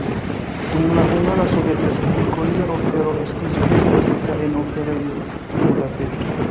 Dum la Hungara Sovetrespubliko lia opero estis prezentita en Operejo de Budapeŝto.